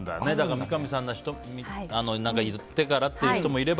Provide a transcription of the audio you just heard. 三上さんみたいに何か言ってからという人もいれば